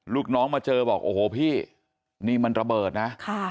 ลูกน้องมาเจอบอกโอ้โหพี่นี่มันระเบิดนะ